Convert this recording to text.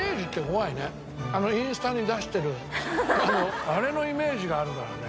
あのインスタに出してるあれのイメージがあるからね。